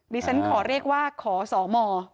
ดิฉันขอเรียกว่าขอสม